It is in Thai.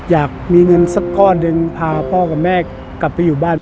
อยากมีเงินสักก้อนหนึ่งพาพ่อกับแม่กลับไปอยู่บ้าน